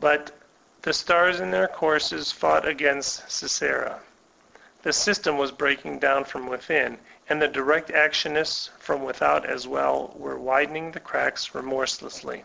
But ''the stars in their courses fought against Sisera'* ; the system was breaking down from within, and the direct actionists from without, as well, were widen ing the cracks remorselessly.